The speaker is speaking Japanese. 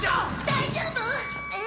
大丈夫？